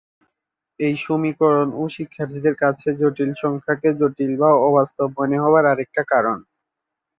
এই সমীকরণ ও শিক্ষার্থীদের কাছে জটিল সংখ্যাকে জটিল বা অবাস্তব মনে হবার আরেকটা কারণ।